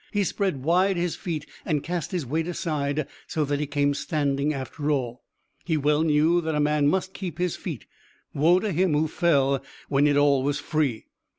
He spread wide his feet and cast his weight aside, so that he came standing, after all. He well knew that a man must keep his feet. Woe to him who fell when it all was free!